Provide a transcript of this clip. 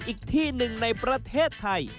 อีกที่หนึ่งในประเทศไทย